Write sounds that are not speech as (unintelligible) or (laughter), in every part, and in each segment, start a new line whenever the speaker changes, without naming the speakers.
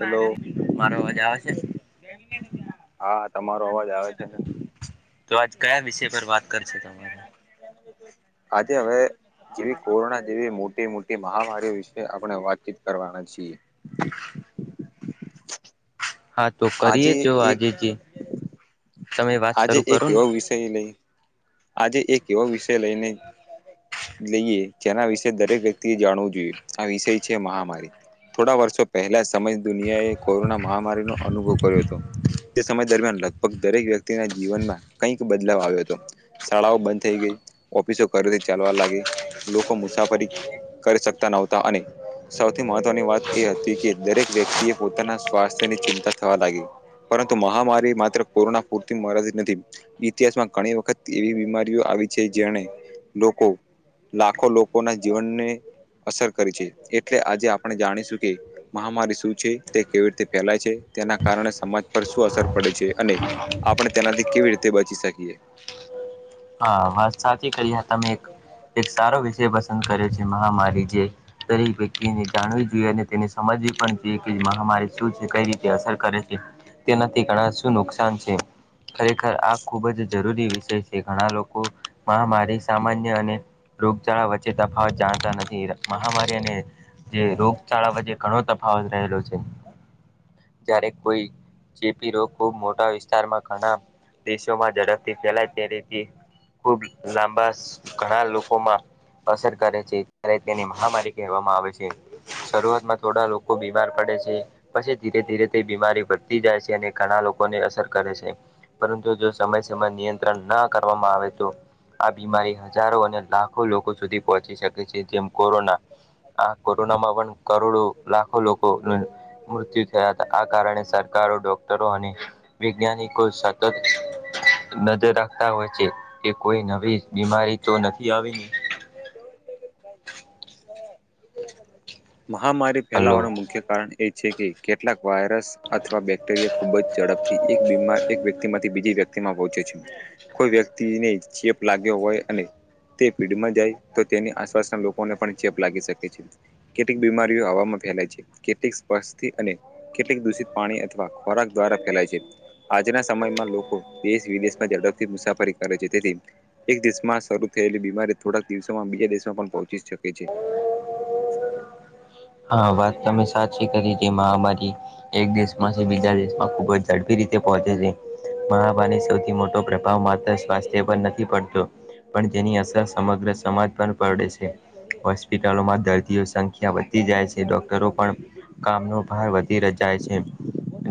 Hello
મારો અવાજ આવે છે
હા તમા રો અવાજ આવે છે ને
તો આજ કયા વિષય પર વાત કરશુ તમારે
આજે હવે જેવી કોરોના જેવી મોટી મોટી મહામારીઓ વિશે આપણે વાતચીત કરવાના છીએ.
હા તો
આજે
કરીએે જો
એક
આજે જે તમે વાત શરૂ કરો ને
આજે એક એવો વિષય લઈ ને લઈએ જેના વિશે દરેક વ્યક્તિએ જાણવું જોઈએ આ વિષય છે મહામારી થોડા વર્ષો પહેલા સમય દુનિયાએ કોરોના મહામારીનો અનુભવ કર્યો હતો. તે સમય દરમિયાન લગભગ દરેક વ્યક્તિના જીવનમાં કંઈક બદલાવ આવ્યો હતો. શાળાઓ બંધ થઈ ગઈ ઓફિસો ઘરેથી ચાલવા લાગી લોકો મુસાફરી કરી સકતા નોવતા અને સૌથી મહત્વની વાત એ હતી કે દરેક વ્યક્તિ એ પોતાના સ્વાસ્થ્યની ચિંતા થવા લાગી પરંતુ મહામારી માત્ર કોરોના પૂરતી મળ્યાથી નથી ઇતિહાસમાં ઘણી વખત એવી બીમારીઓ આવી છે જેને લોકો લાખો લોકોના જીવનને અસર કરી છે એટલે આજે આપણે જાણીશું કે મહામારી શું છે તે કેવી રીતે ફેલાય છે. તેના કારણે સમાજ પર શું અસર પડે છે અને આપણે તેનાથી કેવી રીતે બચી શકીએ.
હા વાત સાચી કરી તમે એક એક સારો વિચાર પસંદ કરે છે મહામારી જે દરેક વ્યક્તિને જાણવી જોઈએ અને તેને સમજવી પણ એ કે મહામારી શું છે. કઈ રીતે અસર કરે છે. તેનાથી ઘણા શું નુકસાન છે. ખરેખર આ ખૂબ જ જરૂરી વિષય છે. ઘણા લોકો મહામારી સામાન્ય અને રોગચાળા વચ્ચે તફાવત જાણતા નથી. મહામારી અને જે રોગચાળા વચ્ચે ઘણો તફાવત રહેલો છે. જ્યારે કોઈ ચેપી રોગોને ખૂબ મોટા વિસ્તારમાં ઘણાં દેશોમાં ઝડપથી ફેલાય ત્યારે થી ખુબ લાંબા ઘણા લોકોમાં. અસર કરે છે. ત્યારે તેની મહામારી કહેવામાં આવે છે. શરૂઆત માં થોડા લોકો બીમાર પડે છે. પછી ધીરે ધીરે તે બીમારી વધતી જાય છે. અને ઘણા લોકોને અસર કરે છે. પરંતુ જો સમય સમય નિયંત્રણ ના કરવામાં આવે તો. આ બીમારી હજારો અને લાખો લોકો સુધી પહોંચી શકે છે. જેમ કોરોના, આ કોરોનામાં પણ કરોડો લાખો લોકો મૃત્યુ થયા હતા આ કારણે સરકાર. સારો ડોક્ટરો અને વૈજ્ઞાનિકો સતત નજર રાખે રાખતા હોય છે. કે કોઈ નવી બીમારી તો નથી આવી.
ાય (unintelligible) (unintelligible)
બ (inaudible) (inaudible) (inaudible)
મહામારી ફેલાવાનું મુખ્ય કારણ. એ છે. કે કેટલાક વાયરસ અથવા બેક્ટેરિયા ખુબ જ ઝડપથી એક બીમાર એક વ્યક્તિ માંથી બીજી વ્યક્તિમાં પહોંચે છે. કોઈ વ્યક્તિને ચેપ લાગ્યો હોય અને. તે ભીડ માં જાય તો તેની આસપાસના લોકોને પણ ચેપ લાગી શકે છે. કેટલીક બીમારીઓ આવામાં ફેલાય છે. કેટલીક સ્પષ, અને કેટલીક દૂષિત, પાણી અથવા, ખોરાક દ્વારા. દ્વારા ફેલાય છે. આજના સમયમાં લોકો દેશ વિદેશમાં ઝડપથી મુસાફરી કરે છે. તેથી એક દેશ માં શરૂ થયેલી બીમારી થોડાક દિવસોમાં બીજા દેશમાં પણ, પહોંચી શકે છે.
હા. વાત તમે સાચી કરી છે. મહામારી એક દેશમાં છે. બીજા દેશમાં ખુબ જ ઝડપી રીતે પહુંચે છે પર આમા સૌથી મોટો આ માત્ર સ્વાસ્થ્ય પર નથી પડતો પણ તેની અસર સમગ્ર સમાજ પર પડે છે હોસ્પિટલોમાં દર્દીઓ સંખ્યા વધે વઘી જાય છે ડોક્ટરો પણ કામનો ભાર વધી રે જાય છે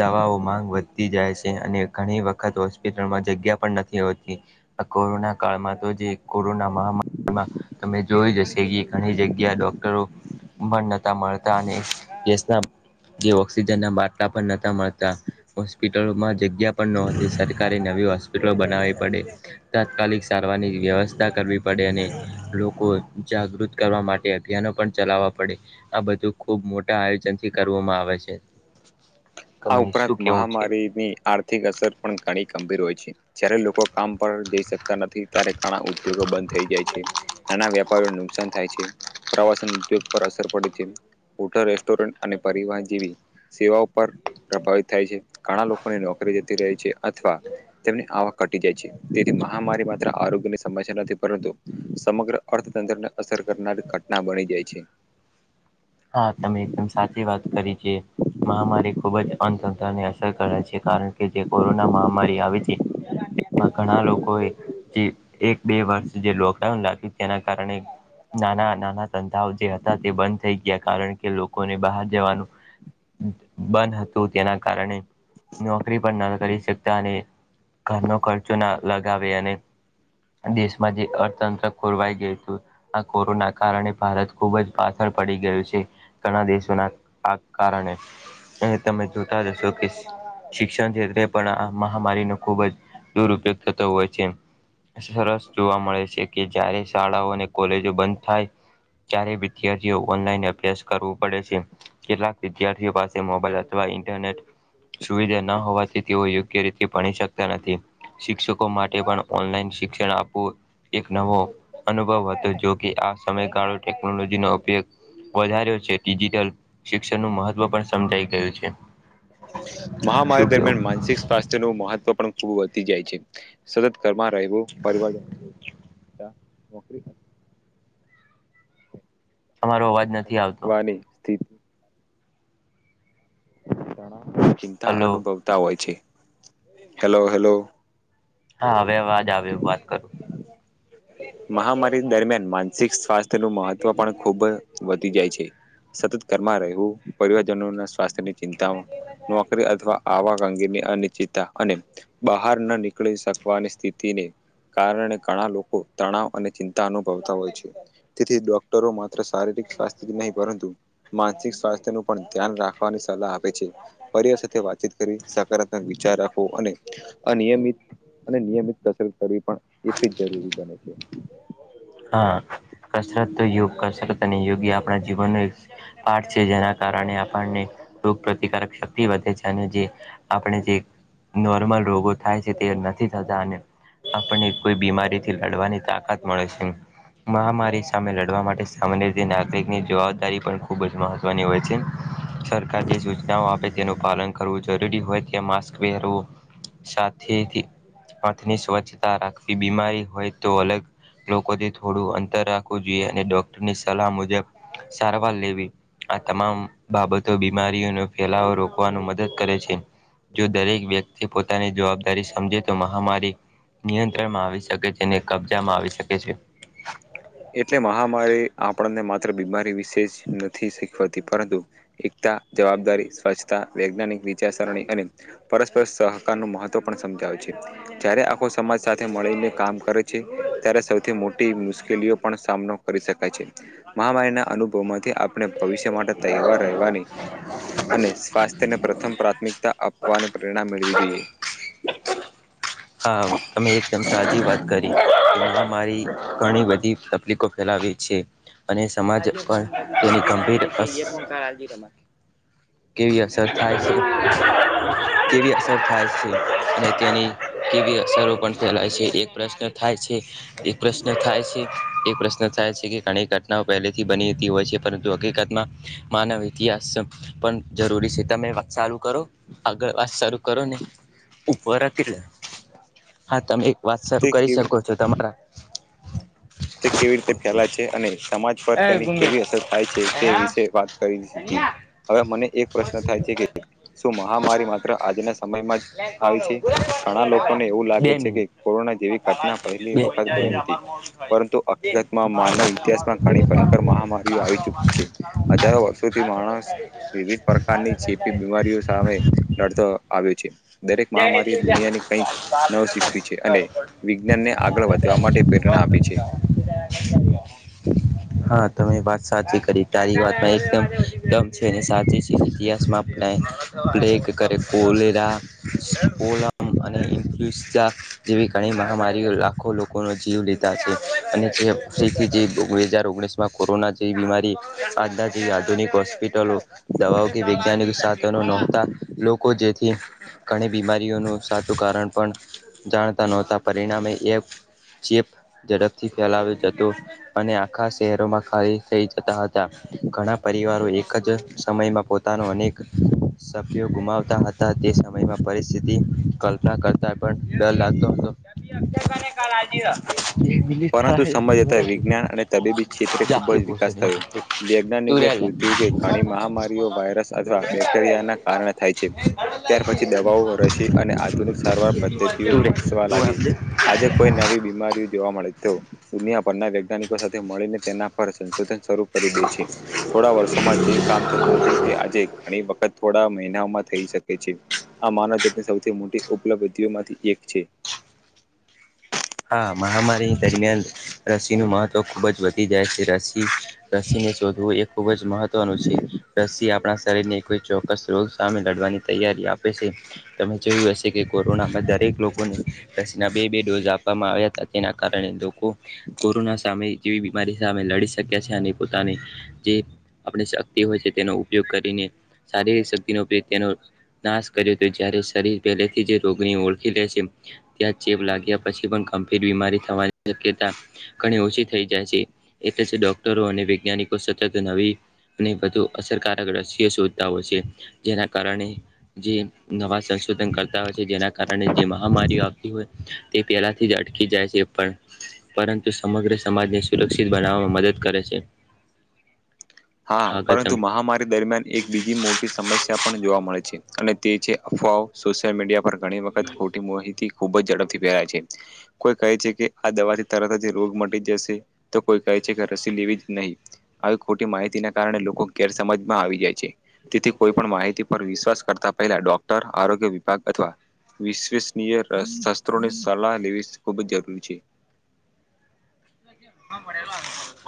દવાઓ માંગ વધતી જાય છે અને ઘણી વખત હોસ્પિટલમાં જગ્યા પણ નથી હોતી આ કોરોના કાળમાં તો જે કોરોના મહામારી માં તમે જોઈ જશે કે ઘણી જગ્યા ડોક્ટરો મન નતા મળતા અને દેશના જે ઓક્સિજનના બાટલા પણ નતા મળતા હોસ્પિટલોમાં જગ્યા પણ નહતી સરકારી નવી હોસ્પિટલોમાં હોસ્પિટલો બનાવી પડી તાત્કાલિક સારવારની વ્યવસ્થા કરવી પડે અને લોકો જાગૃત કરવા માટે અભિયાનો પણ ચલાવવા પડે આ બધું ખૂબ મોટા આયોજનથી કરવામાં આવે છે
આ
તમે
ઉપરાંત
શું કેવું છે
મહામારીની આર્થિક અસર પણ ઘણી ગંભીર હોય છે જારે લોકો કામ પર જઈ શકતા નથી ત્યારે ઘણા ઉદ્યોગો બંધ થઈ જાય છે નાના વેપાર નુકસાન થાય છે પ્રવાસન ઉદ્યોગ પર અસર પડે છે મોટા રેસ્ટોરન્ટ અને પરિવહન જેવી સેવાઓ પર પ્રભાવિત થાય છે ઘણા લોકોની નોકરી જતી રહે છે અથવા તેમની આવક ઘટી જાય છે તેથી મહામારી માત્ર આરોગ્ય ની સમસ્યા નથી પરંતુ સમગ્ર અર્થતંત્રને અસર કરનાર ઘટના બની જાય છે
હા તમે એકદમ સાચી વાત કરી જે મહામારી ખૂબ જ અંધંધાને અસર કરે છે કારણ કે જે કોરોના મહામારી આવે તી એમાં ઘણા લોકોએ જે એક બે વર્ષ જે લોકડાઉન લાગ્યું તેના કારણે નાના નાના ધંધાઓ જે હતા તે બંધ થઈ ગયા કારણ કે લોકોને બહાર જવાનું બંધ હતું તેના કારણે નોકરી પણ ન કરી શકતા અને ઘરનો ખર્ચો ના લગાવે અને દેશમાં જે અર્થતંત્ર ખોરવાઈ ગયું હતું આ કોરોના કારણે ભારત ખુબ જ પાછળ પડી ગયું છે ઘણા દેશોના આ કારણે અ તમે જોતા જશો કે શિક્ષણક્ષેત્ર પણ આ મહામારીનો ખૂબ જ દુરુયોગ થતો હોય છે. સરસ જોવા મળે છે કે જારે શાળાઓ અને કોલેજો બંધ થાય. ત્યારે વિધાર્થી ઓનલાઈન અભ્યાસ કરવું પડે છે કેટલાક વિદ્યાર્થીઓ પાસે મોબાઈલ અથવા ઇન્ટરનેટ સુવિધા ના હોવાથી તેઓ યોગ્ય રીતે ભણી શકતા નથી શિક્ષકો માટે પણ ઓનલાઈન શિક્ષણ આપવું એક નવો અનુભવ હતો જોકે આ સમયગાળો ટેકનોલોજીનો ઉપયોગ વધાર્યો છે ડિજિટલ શિક્ષણનું મહત્ત્વ પણ સમજાઈ ગયું છે.
મહામારી
શું
દરમિયાન
કેવું
માનસિક સ્વાસ્થ્ય ન મહત્વ પણ ખૂબ વધતી જાય છે સત ઘરમાં રેહુ પરિવારજન
અમારો અવાજ આવતો
(unintelligible) ગણા ચિંતા
હલો
અનુભવતા હોય છે હલો હલો.
હા હવે અવાજ આવે વાત કરું
મહામારી દરમિયાન માનસિક સ્વાસ્થ્ય નું મહત્વ પણ ખુબજ જાય છે સતત ઘરમાં રહેવું પરિવારજનો ના સ્વાસ્થ્યની ચિંતામાં નોકરી અથવા આવક અંગીરની અનિશ્ચતા અને બહાર ન નીકળી શકવાની સ્થિતિને કારણે ઘણા લોકો તણાવ અને ચિંતા અનુભવતા હોય છે તેથી ડોક્ટરોમાં શારીરિક સ્વાસ્થ્ય જ નહીં પરંતુ માનસિક સ્વાસ્થ્ય નું પણ ધ્યાન રાખવાની સલાહ આપે છે. પરિવાર સાથે વાતચીત કરી સકારાત્મક વિચાર રાખવો અને અનિયમિત અને નિયમિત કસરત કરવી પણ એટલી જરૂરી છે. (inaudible)
હા કસરત તો યુગ કસરત અને યુગ આપ આપણા જીવનનો એક પાઠ છે જેના કારણે આપણને રોગ પ્રતિકારક શક્તિ વધે છે અને જે આપણે જે નોર્મલ રોગો થાય છે તે નથી થતા અને આપણને કોઈ બીમારી થી લડવાની તાકાત મળે છે. મહામારી સામે લડવા માટે સામાન્ય રીતે નાગરિકની જવાબદારી પણ ખૂબ જ મહત્વની હોય છે. સરકાર જે સૂચનાઓ આપે તેનું પાલન કરવું જરૂરી હોય ત્યા માસ્ક પહેરવું સાથી. હથની સ્વચ્છતા રાખવી બીમારી હોય તો અલગ લોકો થોડું અંતર રાખવું જોઈએ અને ડોક્ટરની સલાહ મુજબ સારવાર લેવી આ તમામ બાબતો બીમાર ફેલાવો રોકવા મદદ કરે છે જો દરેક વ્યક્તિ પોતાની જવાબદારી સમજે તો મહામારી નિયંત્રણમાં આવી શકે. તેને કબજામાં આવી શકે છે.
(inaudible) એટલે મહામારી આપણને માત્ર બીમારી વિશે જ નથી શીખવાતી પરંતુ એકતા જવાબદારી સ્વચ્છતા વૈજ્ઞાનિક રીત સરણી અને પરસ્પર સહકાર નું મહત્વ પણ સમજાવે છે જ્યારે આખો સમાજ સાથે મળીને કામ કરે. ત્યારે સૌથી મોટી મુશ્કેલીઓ પણ સામનો કરી શકાય છે મહામારીના અનુભવમાં થી આપણે ભવિષ્ય માટે તૈવાર રહેવાની અને સ્વાસ્થ્ય ને પ્રથમ પ્રાથમિકતા આપવાની પ્રેરણા મેળવી જોઈએ. (inaudible)
હા અમે એકદમ સાચી વાત કરી એમાં મારી ઘણી બધી તકલીફો ફેલાવે છે અને સમાજ પણ તેની ગંભીર અસ (inaudible) કેવી અસરો પણ ફેલાય છે એક પ્રશ્ન થાય છે એક પ્રશ્ન થાય છે એક પ્રશ્ન થાય છે. ઘણી ઘટનાઓ પહેલેથી બનીતી હોય છે પરંતુ હકીકતમાં માનવ ઇતિહાસ જરૂરી છે તમે વાત સાલું કરો આગળ વાત સારું કરો ને (unintelligible) હા તમે એક વાત શરૂ
તે
કરી
કેવી
શકો છો તમારા
તે કેવી રીતે ફેલાય છે અને સમાજ પર તેની કેવી અસર થાય છે તે વિશે વાત કરી હતી. હવે મને એક પ્રશ્ન થાય છે કે. શું મહામારી માત્ર આજના સમયમાં જ આવી છે ઘણા લોકોને એવું લાગે
બે
છે કે
મિનિટ
કોરોના જેવી ઘટના પહેલી
બે
વખત બની હતી. પરંતુ હકીકતમાં માનવ ઇતિહાસમાં ઘણી ભયખર મહામારીઓ આવી ચુકી છે હજારો વર્ષોથી માણસ વિવિધ પ્રકારની ચેપી બીમારીઓ સામે લડતો આવ્યો છે. દરેક
જય હિન્દ
મહામારી એ
જય
દુનિયાની કઈક નવ શીખ્યું છે અને વિજ્ઞાન ને આગળ વધવા માટે પ્રેરણ પી છે.
હા તમે વાત સાચ તારી વાતમાં એકદમ દમ છે સાચ છે ઇતિહાસમાં આપલે કરે કોલેરા. પોલમ અને ઇન્ફ્લુએઝા જેવી ઘણી મહામારીઓ લાખો જીવ લીધા છે અને જે ફથી જે બે હજર ઓગણીસ માં કોરોના જે બીમારી આ જેવી આધુનિક હોસ્પિટલો દવાઓ કે વૈજ્ઞાનિક સાધનો નહોતા લોકો જેથી ઘણી બીમારીઓનું સાચું કા પણ જાણતા નહોતા પરિણામે એક ચેપ ઝડપથી ફેલાવે જતો. અને આખા શહેરોમાં ખાલી થઈ જતા હતા ઘણા પરિવારો એક જ સમયમાં ન અનેક સભ્યો ગુમાવતા હતા તે સમયમાં પરિસ્થિતિ કલ્પના કરતા પણ ડર લાગતો હતો.
પરંતુ સમજતા વિજ્ઞાન અને તબીબી ક્ષેત્રે ખૂબ જ વિકાસ થયો
તું
વૈજ્ઞાનિક
રે લે.
ધ કે ઘણી મહામારીઓ વાયરસ અથવા બેક્ટેરિયાના કારણે થાય છે ત્યાર પછી દવા રસી અને આધુનિક સારવાર પદ્ધતિઓ
તું રે
વિકસવા
તું
લાગી
આપજે.
આજે કોઈ નવી બીમારી જોવા મળે. દુનિયાભરના વૈજ્ઞાનિકો સાથે મળીને તેના પર સંશોધન શરૂ કરી દે છે થોડા વર્ષોમાં જે કામ થતું હતું તે આજે ઘણી વખત થોડા મહિનામાં થઈ શકે છે. આ માનવજતની સૌથી મોટી ઉપલબ્ધિઓમાંથી એક છે.
હા મહામારી દરમિયાન રસીનું મહત્વ ખૂબ જ વધી જાય છે રસી રસી ને શોધવું એ ખુબ જ મહત્વનું છે રસ આપડા શરીરને કો ચોક્કસ રોગ સામે લડવાની તૈયારી આપે છે તમે જોયું હશે કે કોરોનામાં લોકોને રસીના બે બે ડોઝ આવ હતા તેના કારણે લોકો કોરોના સામે જેવી બીમારી સામે લડી શક્યા છે અને પોતાના આપ શક્તિ હોય છે તેનો ઉપયોગ કરીને શારીરિક શક્તિનો તેનો નાશ કર્યો હતો જયારે શરીર પહેલેથી જ રોગની ઓળખી લેશે ત્યાં ચેપ લાગ્યા પછી પણ ગંભીર બીમારી થવાની શક્યતા ઘણી ઓછી થઈ જાય છે એલે જ ડોક્ટરો વૈજ્ઞાનિકો સતત નવી વધુ અસરકારક રશ્યો શોધતા હોય છે જેના કારણે જે નવા ન કરતા હોય છે જેના કારણે જે મહામારી આવતી હોય તે પહેલાંથી જ અટકી જાય છે પણ પરંતુ સમગ્ર સમાજને સુરક્ષિત બનાવવામાં મદદ કરે છે. (inaudible)
હા
આગળ
પરંતુ
તમે
મહામારી દરમિયાન એક બીજી મોટી સમસ્યા પણ જોવા મળે. છે અને તે છે અફવાઓ સોશિયલ મીડિયા પર ઘણી વખત ખોટી મોહિતી. ખુબ જ ઝડપથી પહેરાય છે કોઈ કહે છે કે આ દવાથી તરત જ રોગ મટી જશે તો કોઈ ક છે કે રસી લેવી જ નહીં આવી ખોટી માહિતીના કારણે લોકો ગેરસમજમાં આવી જાય છે તેથી કોઈ પણ માહિતી પર વિશ્વાસ કરતા પહેલા ડોક્ટર આરોગ્ય વિભાગ અથવા વિશ્વસનીય શાસ્ત્રોની સલાહ લેવી ખૂબ જ જરૂરી છે. (inaudible)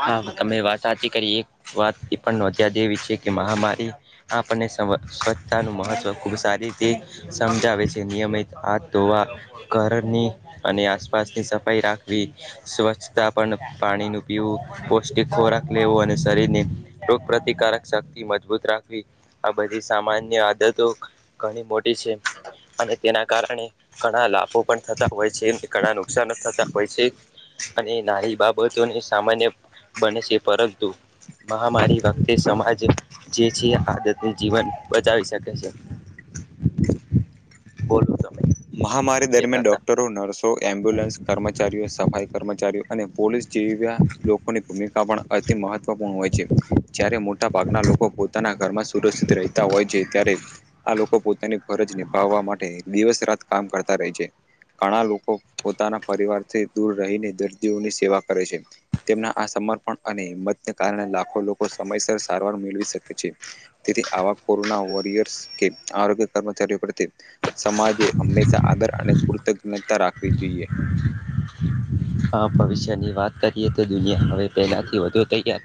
હા તમે વાત સાચી કરી એક વાત એ પણ નોંધયા દેવી છે કે મહામારી આપણને સ્વચ્છતાનું મહત્વ ખૂબ સારી રીતે સમજાવે છે નિયમિત આ ધોવા ઘરની અને આસ પાસની સફાઈ રાખવી સ્વચ્છતા પણ પાણીનું પીવું પૌષ્ટિક ખોરાક લેવો અને શરીરને રોગપ્રતિકારક શક્તિ મજબૂત રાખ ખવી આ બધી સામાન્ય આદતો ઘણી મોટી છે. અને તેના કારણે ઘણા લાભો પણ થતા હોય છે ઘણા નુકસાન થતા હોય છે. અને નાની બાબતોને સામાન્ય બને છે પરંતુ મહામારી વખતે સમાજ જે છે આદત જીવન બચાવી શકે છે.
(inaudible)
બોલો ત
મહામારી દરમિયાન ડોક્ટરો નર્સો એમ્બ્યુલન્સ કર્મચારીઓ સફાઈ કર્મચારીઓ અને પોલીસ જેવયા લોકોની ભૂમિકા પણ અતિ મહત્વપૂર્ણ હોય છે જાયારે મોટા ભાગના લોકો પોતાના ઘરમાં સુરક્ષિત રહેતા હોય છે ત્યારે આ લોકો પોતાની ફરજ નિભાવવા માટે દિવસ રાત કામ કરતા રહે છે. ઘણા લોકો પોતાના પરિવારથી દૂર રહીને દર્દીઓની સેવા કરે છે તેમના આ સમરપણ અને હિંમતને કારણે લાખો લોકો સમયસર સારવાર મેળવી શકે છે તેથી આવા કો રોના વોરિયર્સ કે આરોગ્ય કર્મચારીઓ પ્રતિ સમાજ હંમેશા આદર અને કૃતજ્ઞતા રાખવી જોઈએ.
હા ભવિષ્યની વાત કરીએ તો દુનિયા હવે પહેલાથી વધુ તૈયાર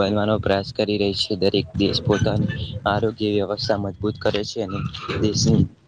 બનવાનો પ્રયાસ કરી રહી છે દરેક દેશ પોતાની આરોગ્ય વ્યવસ્થા મજબૂત કરે છે અને દેશની